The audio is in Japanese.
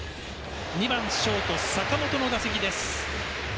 ２番ショート、坂本の打席です。